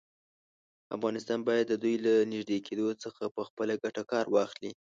افغانستان باید د دوی له نږدې کېدو څخه په خپله ګټه کار واخلي.